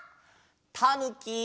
たぬき！